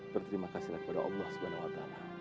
berterima kasihlah kepada allah swt